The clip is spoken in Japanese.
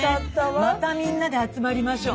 またみんなで集まりましょう。